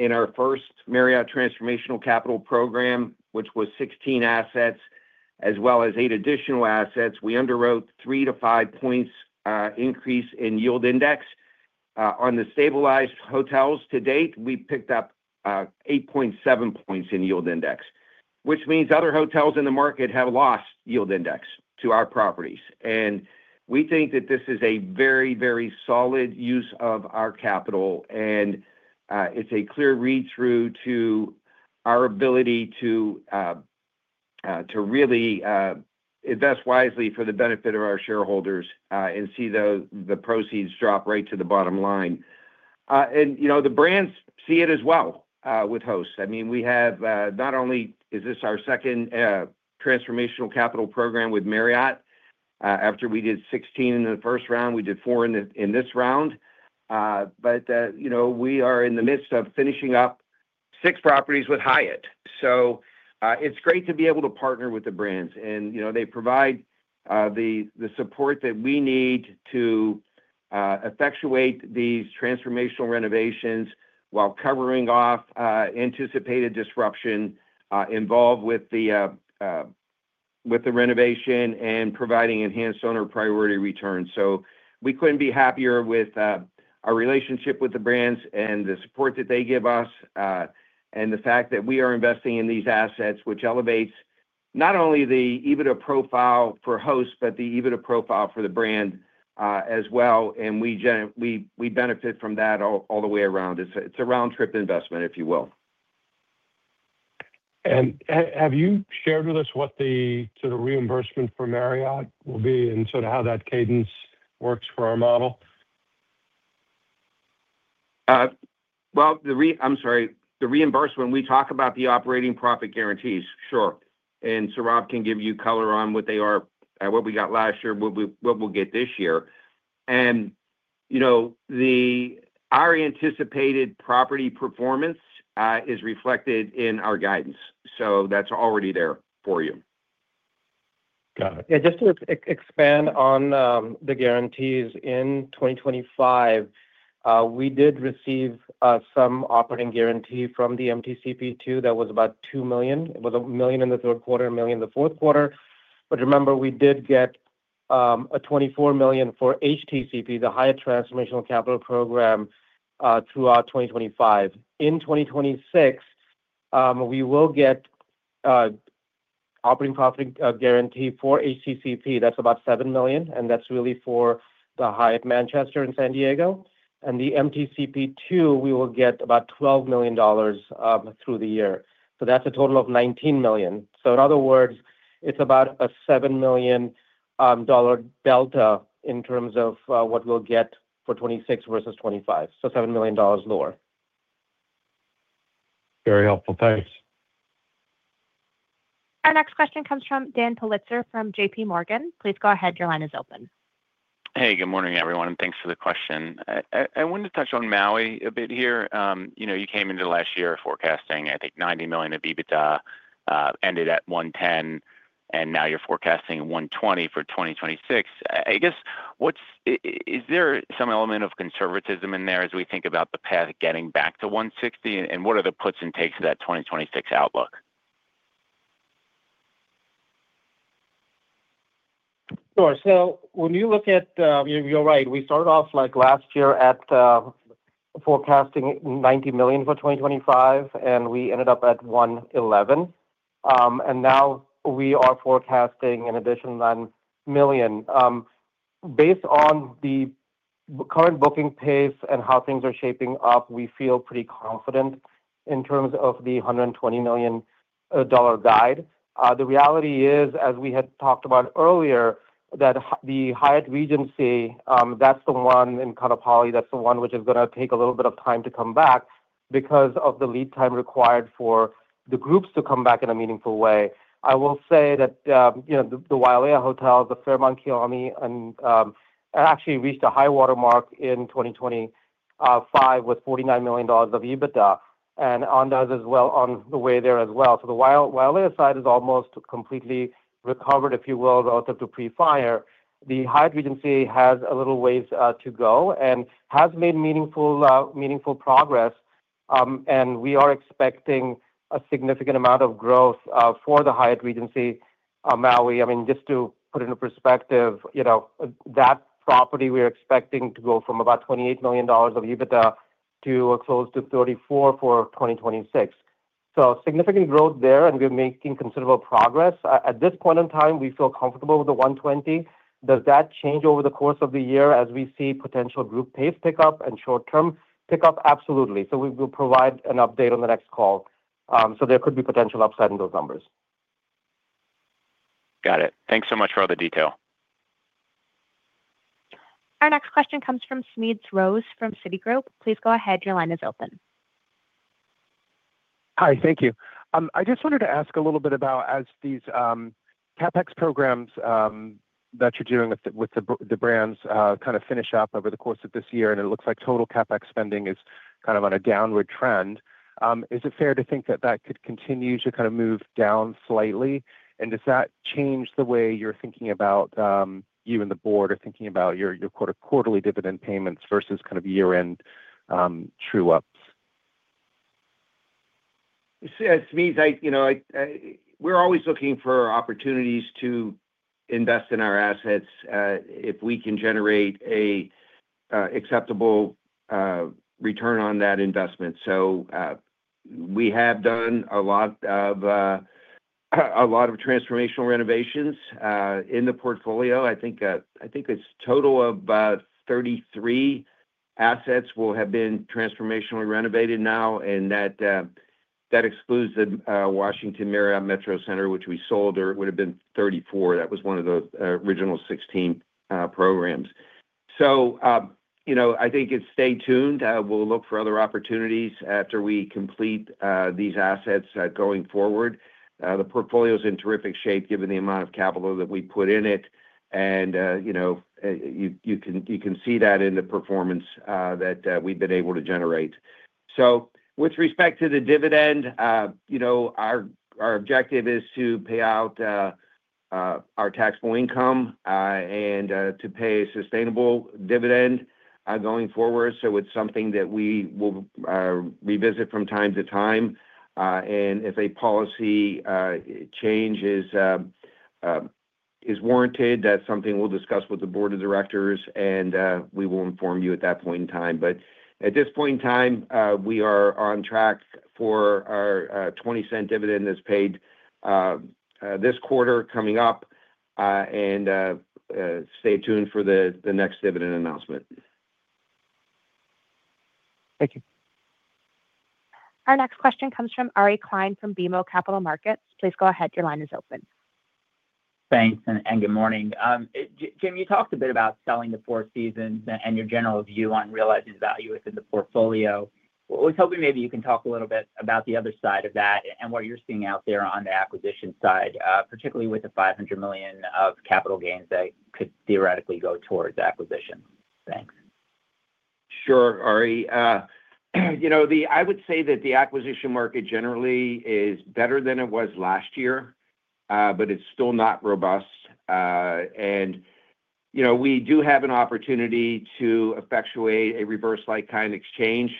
in our first Marriott Transformational Capital Program, which was 16 assets, as well as eight additional assets. We underwrote 3-5 points increase in Yield Index. On the stabilized hotels to date, we picked up 8.7 points in Yield Index, which means other hotels in the market have lost Yield Index to our properties. We think that this is a very, very solid use of our capital, and it's a clear read-through to our ability to really invest wisely for the benefit of our shareholders, and see the proceeds drop right to the bottom line. And, you know, the brands see it as well, with Host's. I mean, we have not only is this our second Transformational Capital Program with Marriott, after we did 16 in the first round, we did four in this round. But, you know, we are in the midst of finishing up six properties with Hyatt. So, it's great to be able to partner with the brands. You know, they provide the support that we need to effectuate these transformational renovations while covering off anticipated disruption involved with the renovation and providing enhanced owner priority returns. So we couldn't be happier with our relationship with the brands and the support that they give us and the fact that we are investing in these assets, which elevates not only the EBITDA profile for Host, but the EBITDA profile for the brand as well, and we benefit from that all the way around. It's a round-trip investment, if you will. Have you shared with us what the sort of reimbursement for Marriott will be and sort of how that cadence works for our model? Well, the reimbursement, we talk about the operating profit guarantees. Sure. And so Rob can give you color on what they are, what we got last year, what we'll get this year. And, you know, our anticipated property performance is reflected in our guidance, so that's already there for you. Got it. Yeah, just to expand on the guarantees in 2025, we did receive some operating guarantee from the MTCP2. That was about $2 million. It was $1 million in the third quarter, $1 million in the fourth quarter. But remember, we did get a $24 million for HTCP, the Hyatt Transformational Capital Program, throughout 2025. In 2026, we will get operating profit guarantee for HTCP. That's about $7 million, and that's really for the Manchester Grand Hyatt San Diego. And the MTCP2, we will get about $12 million through the year. So that's a total of $19 million. So in other words, it's about a $7 million dollar delta in terms of what we'll get for 2026 versus 2025. So $7 million lower. Very helpful. Thanks. Our next question comes from Dany Asad from Bank of America. Please go ahead, your line is open. Hey, good morning, everyone, and thanks for the question. I wanted to touch on Maui a bit here. You know, you came into last year forecasting, I think, $90 million of EBITDA, ended at $110 million, and now you're forecasting $120 million for 2026. I guess, what is there some element of conservatism in there as we think about the path getting back to $160 million, and what are the puts and takes of that 2026 outlook? Sure. So when you look at, you're right, we started off like last year at forecasting $90 million for 2025, and we ended up at $111 million. And now we are forecasting an additional $9 million. Based on the current booking pace and how things are shaping up, we feel pretty confident in terms of the $120 million dollar guide. The reality is, as we had talked about earlier, that the Hyatt Regency, that's the one in Kaanapali, that's the one which is gonna take a little bit of time to come back because of the lead time required for the groups to come back in a meaningful way. I will say that, you know, the, the Wailea Hotel, the Fairmont Kea Lani, and actually reached a high water mark in 2025 with $49 million of EBITDA, and Andaz as well on the way there as well. So the Wailea side is almost completely recovered, if you will, relative to pre-fire. The Hyatt Regency has a little ways to go and has made meaningful, meaningful progress, and we are expecting a significant amount of growth for the Hyatt Regency Maui. I mean, just to put into perspective, you know, that property, we are expecting to go from about $28 million of EBITDA to close to $34 million for 2026. So significant growth there, and we're making considerable progress. At this point in time, we feel comfortable with the $120. Does that change over the course of the year as we see potential group pace pick up and short-term pick up? Absolutely. So we will provide an update on the next call. So there could be potential upside in those numbers. Got it. Thanks so much for all the detail. Our next question comes from Smedes Rose from Citigroup. Please go ahead. Your line is open. Hi, thank you. I just wanted to ask a little bit about as these CapEx programs that you're doing with the brands kind of finish up over the course of this year, and it looks like total CapEx spending is kind of on a downward trend. Is it fair to think that that could continue to kind of move down slightly? And does that change the way you're thinking about, you and the board are thinking about your quarterly dividend payments versus kind of year-end true-ups? Smedes, you know, we're always looking for opportunities to invest in our assets, if we can generate an acceptable return on that investment. So, we have done a lot of transformational renovations in the portfolio. I think it's a total of about 33 assets will have been transformationally renovated now, and that excludes the Washington Marriott at Metro Center, which we sold, or it would have been 34. That was one of the original 16 programs. So, you know, I think it's stay tuned. We'll look for other opportunities after we complete these assets going forward. The portfolio is in terrific shape given the amount of capital that we put in it, and, you know, you can see that in the performance that we've been able to generate. So with respect to the dividend, you know, our objective is to pay out our taxable income, and to pay a sustainable dividend going forward. So it's something that we will revisit from time to time. And if a policy change is warranted, that's something we'll discuss with the board of directors, and we will inform you at that point in time. But at this point in time, we are on track for our $0.20 dividend that's paid this quarter coming up, and stay tuned for the next dividend announcement. Thank you. Our next question comes from Ari Klein from BMO Capital Markets. Please go ahead. Your line is open. Thanks, and good morning. Jim, you talked a bit about selling the Four Seasons and your general view on realizing value within the portfolio. I was hoping maybe you can talk a little bit about the other side of that and what you're seeing out there on the acquisition side, particularly with the $500 million of capital gains that could theoretically go towards acquisition. Thanks. Sure, Ari. You know, I would say that the acquisition market generally is better than it was last year, but it's still not robust. And, you know, we do have an opportunity to effectuate a reverse like-kind exchange,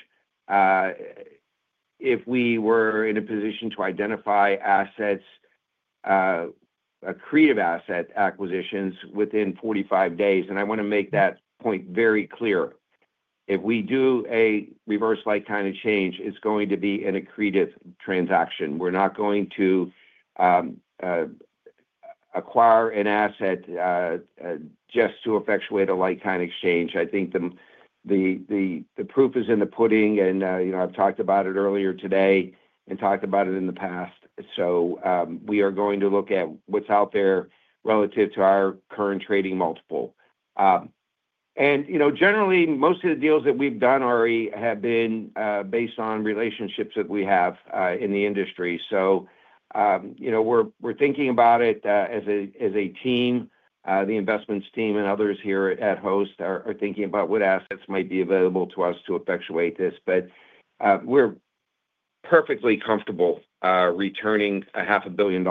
if we were in a position to identify assets, accretive asset acquisitions within 45 days, and I want to make that point very clear. If we do a reverse like-kind exchange, it's going to be an accretive transaction. We're not going to acquire an asset just to effectuate a like-kind exchange. I think the proof is in the pudding, and, you know, I've talked about it earlier today and talked about it in the past. So, we are going to look at what's out there relative to our current trading multiple. And, you know, generally, most of the deals that we've done already have been based on relationships that we have in the industry. So, you know, we're thinking about it as a team. The investments team and others here at Host are thinking about what assets might be available to us to effectuate this. But we're perfectly comfortable returning $500 million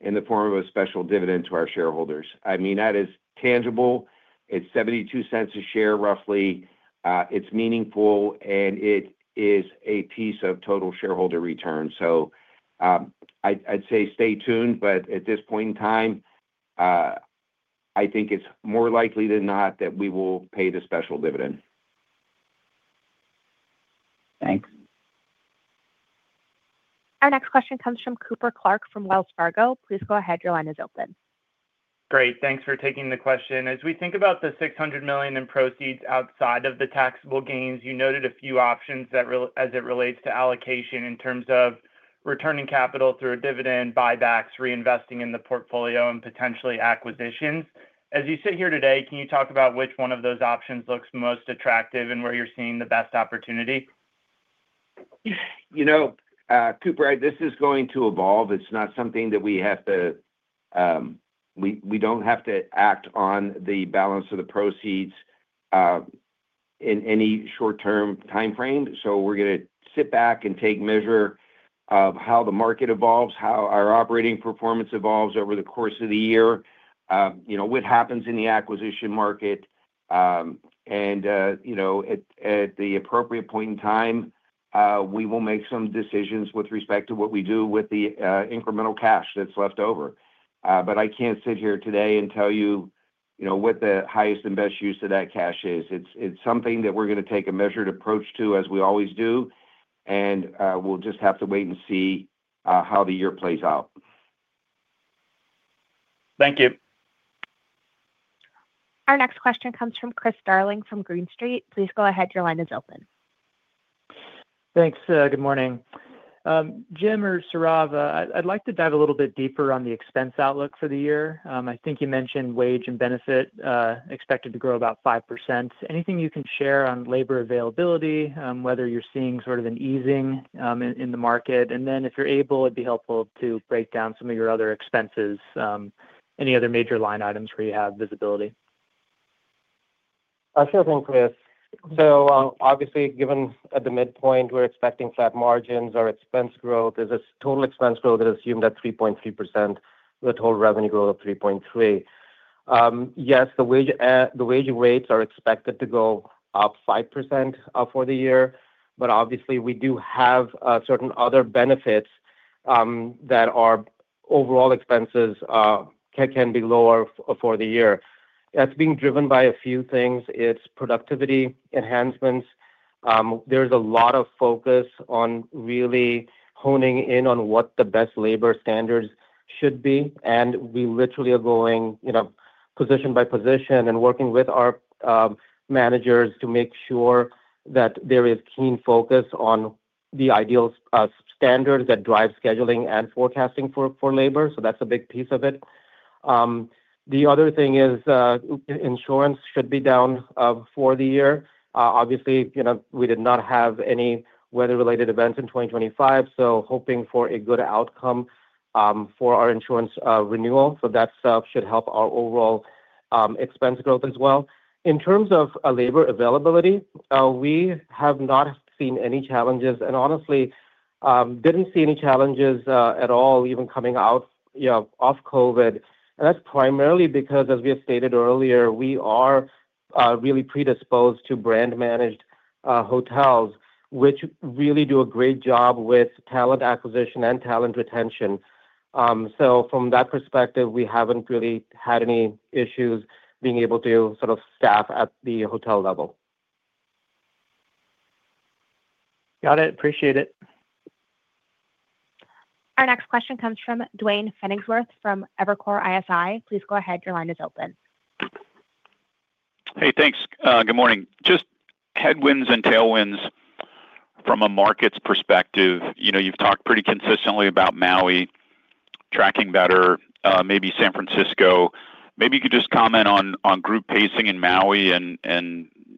in the form of a special dividend to our shareholders. I mean, that is tangible. It's $0.72 a share, roughly. It's meaningful, and it is a piece of total shareholder return. So, I'd say stay tuned, but at this point in time, I think it's more likely than not that we will pay the special dividend. Thanks. Our next question comes from Dori Kesten from Wells Fargo. Please go ahead. Your line is open. Great. Thanks for taking the question. As we think about the $600 million in proceeds outside of the taxable gains, you noted a few options that as it relates to allocation in terms of returning capital through a dividend, buybacks, reinvesting in the portfolio, and potentially acquisitions. As you sit here today, can you talk about which one of those options looks most attractive and where you're seeing the best opportunity? You know, Dori, this is going to evolve. It's not something that we have to, we don't have to act on the balance of the proceeds, in any short-term time frame. So we're gonna sit back and take measure of how the market evolves, how our operating performance evolves over the course of the year, you know, what happens in the acquisition market, and, you know, at the appropriate point in time, we will make some decisions with respect to what we do with the, incremental cash that's left over. But I can't sit here today and tell you, you know, what the highest and best use of that cash is. It's, it's something that we're gonna take a measured approach to, as we always do, and we'll just have to wait and see how the year plays out. Thank you. Our next question comes from Chris Darling from Green Street. Please go ahead. Your line is open. Thanks. Good morning. Jim or Sourav, I'd like to dive a little bit deeper on the expense outlook for the year. I think you mentioned wage and benefit expected to grow about 5%. Anything you can share on labor availability, whether you're seeing sort of an easing in the market? And then, if you're able, it'd be helpful to break down some of your other expenses, any other major line items where you have visibility. Sure thing, Chris. So, obviously, given at the midpoint, we're expecting flat margins. Our expense growth is a total expense growth that is assumed at 3.3%, with total revenue growth of 3.3%. Yes, the wage rates are expected to go up 5% for the year, but obviously, we do have certain other benefits that our overall expenses can be lower for the year. That's being driven by a few things. It's productivity enhancements. There's a lot of focus on really honing in on what the best labor standards should be, and we literally are going, you know, position by position and working with our, managers to make sure that there is keen focus on the ideal, standards that drive scheduling and forecasting for, for labor, so that's a big piece of it. The other thing is, insurance should be down, for the year. Obviously, you know, we did not have any weather-related events in 2025, so hoping for a good outcome, for our insurance, renewal. So that stuff should help our overall, expense growth as well. In terms of, labor availability, we have not seen any challenges and honestly, didn't see any challenges, at all, even coming out, you know, off COVID. That's primarily because, as we have stated earlier, we are really predisposed to brand-managed hotels, which really do a great job with talent acquisition and talent retention. So from that perspective, we haven't really had any issues being able to sort of staff at the hotel level. Got it. Appreciate it. Our next question comes from Duane Pfennigwerth from Evercore ISI. Please go ahead. Your line is open. Hey, thanks. Good morning. Just headwinds and tailwinds from a markets perspective, you know, you've talked pretty consistently about Maui tracking better, maybe San Francisco. Maybe you could just comment on group pacing in Maui and,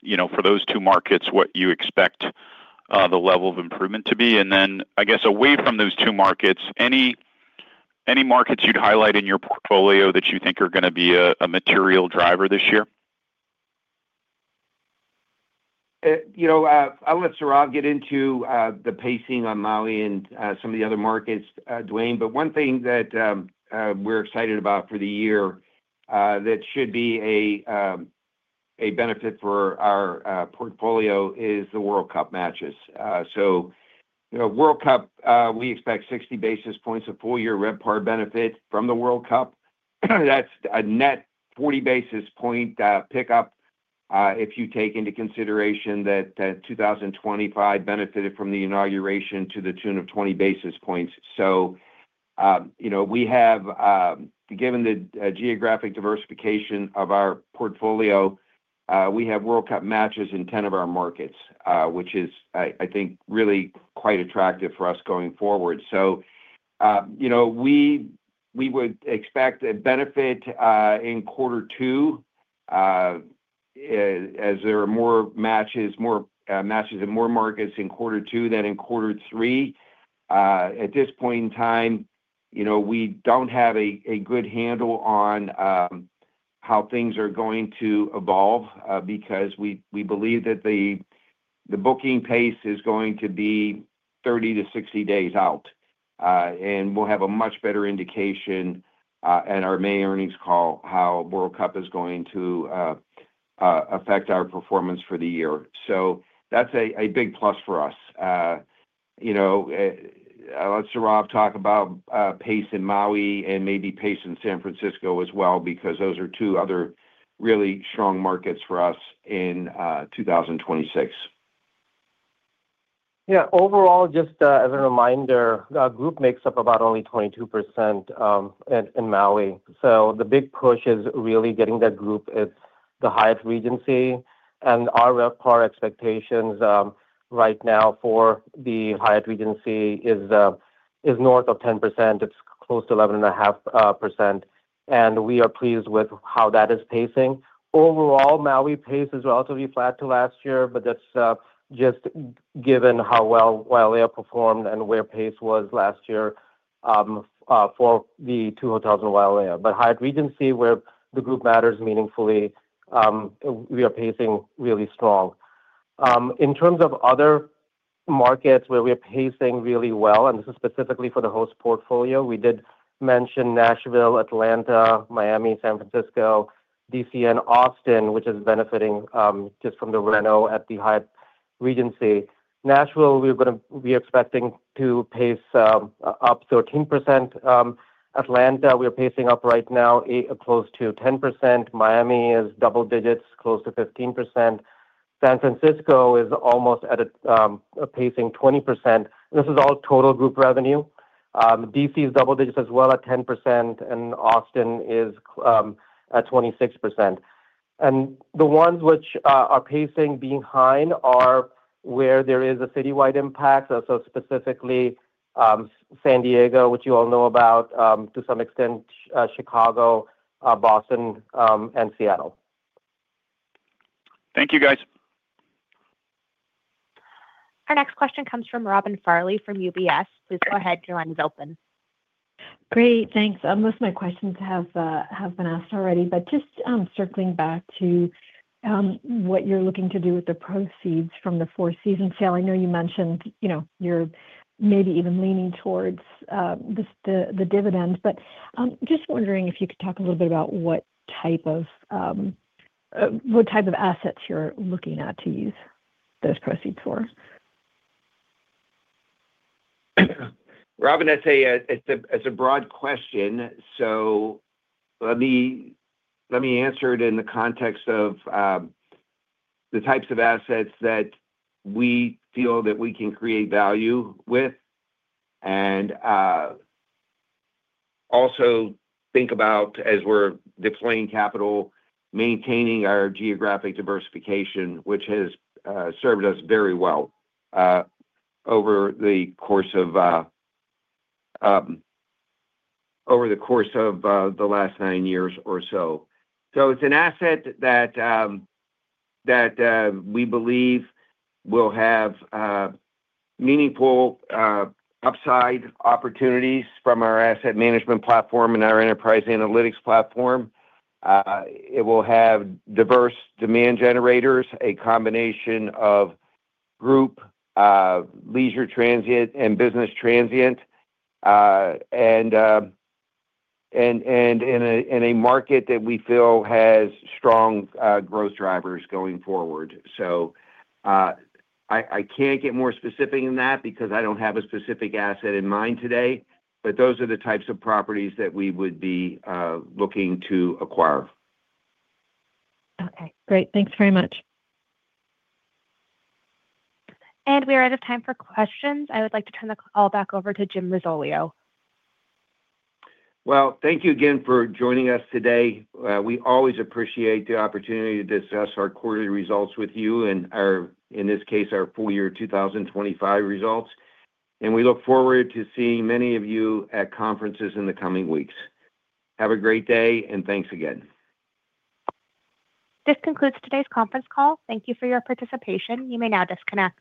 you know, for those two markets, what you expect, the level of improvement to be. And then, I guess, away from those two markets, any markets you'd highlight in your portfolio that you think are gonna be a material driver this year? You know, I'll let Sourav get into the pacing on Maui and some of the other markets, Duane. But one thing that we're excited about for the year that should be a benefit for our portfolio is the World Cup matches. So, you know, World Cup, we expect 60 basis points of full-year RevPAR benefit from the World Cup. That's a net 40 basis point pickup if you take into consideration that 2025 benefited from the inauguration to the tune of 20 basis points. So, you know, we have given the geographic diversification of our portfolio we have World Cup matches in 10 of our markets which is, I think, really quite attractive for us going forward. So, you know, we would expect a benefit in quarter two as there are more matches, more matches and more markets in quarter two than in quarter three. At this point in time, you know, we don't have a good handle on how things are going to evolve because we believe that the booking pace is going to be 30-60 days out. And we'll have a much better indication at our May earnings call how World Cup is going to affect our performance for the year. So that's a big plus for us. You know, let Sourav talk about pace in Maui and maybe pace in San Francisco as well, because those are two other really strong markets for us in 2026. Yeah, overall, just, as a reminder, our group makes up about only 22%, in Maui. So the big push is really getting that group at the Hyatt Regency, and our RevPAR expectations, right now for the Hyatt Regency is north of 10%. It's close to 11.5%, and we are pleased with how that is pacing. Overall, Maui pace is relatively flat to last year, but that's just given how well Wailea performed and where pace was last year, for the two hotels in Wailea. But Hyatt Regency, where the group matters meaningfully, we are pacing really strong. In terms of other markets where we are pacing really well, and this is specifically for the Host portfolio, we did mention Nashville, Atlanta, Miami, San Francisco, D.C., and Austin, which is benefiting, just from the reno at the Hyatt Regency. Nashville, we're gonna be expecting to pace, up 13%. Atlanta, we are pacing up right now eight, close to 10%. Miami is double digits, close to 15%. San Francisco is almost at a pacing 20%. This is all total group revenue. D.C. is double digits as well at 10%, and Austin is at 26%. And the ones which are pacing behind are where there is a citywide impact. Specifically, San Diego, which you all know about, to some extent, Chicago, Boston, and Seattle. Thank you, guys. Our next question comes from Robin Farley, from UBS. Please go ahead, your line is open. Great, thanks. Most of my questions have been asked already, but just circling back to what you're looking to do with the proceeds from the Four Seasons sale. I know you mentioned, you know, you're maybe even leaning towards the dividends, but just wondering if you could talk a little bit about what type of assets you're looking at to use those proceeds for? Robin, I'd say it's a broad question, so let me answer it in the context of the types of assets that we feel that we can create value with. And also think about as we're deploying capital, maintaining our geographic diversification, which has served us very well over the course of the last nine years or so. So it's an asset that we believe will have meaningful upside opportunities from our asset management platform and our enterprise analytics platform. It will have diverse demand generators, a combination of group, leisure transient, and business transient, and in a market that we feel has strong growth drivers going forward. So, I can't get more specific than that because I don't have a specific asset in mind today, but those are the types of properties that we would be looking to acquire. Okay, great. Thanks very much. We are out of time for questions. I would like to turn the call back over to Jim Risoleo. Well, thank you again for joining us today. We always appreciate the opportunity to discuss our quarterly results with you and our, in this case, our full year 2025 results. And we look forward to seeing many of you at conferences in the coming weeks. Have a great day, and thanks again. This concludes today's conference call. Thank you for your participation. You may now disconnect.